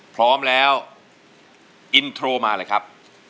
พร้อมแล้วอินโทรมาเลยครับ